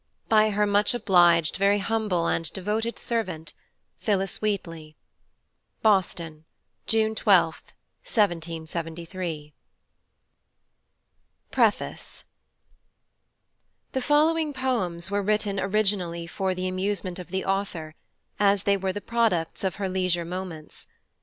BY HER MUCH OBLIGED, VERY HUMBLE AND DEVOTED SERVANT. PHILLIS WHEATLEY. BOSTON, JUNE 12, 1773. P R E F A C E. THE following POEMS were written originally for the Amusement of the Author, as they were the Products of her leisure Moments.